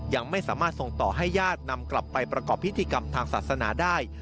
ยังไม่สามารถส่งต่อให้ญาตินำกลับไปประกอบพิธีกรรมทางศาสนาได้